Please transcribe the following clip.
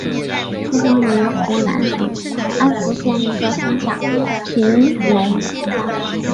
出生于湖南省安福县一个乡下贫农家庭。